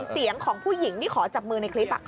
เสียงของผู้หญิงที่ขอจับมือในคลิป